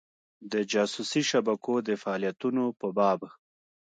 د جاسوسي شبکو د فعالیتونو په باب.